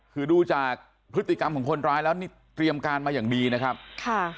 คือดูจากพฤติกรรมของคนร้ายแล้วนี่เตรียมการมาอย่างดีนะครับค่ะ